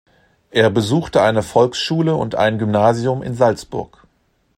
Er besuchte eine Volksschule und ein Gymnasium in Salzburg.